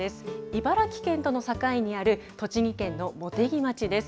茨城県との境にある、栃木県の茂木町です。